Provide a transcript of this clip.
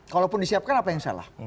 kalaupun disiapkan apa yang salah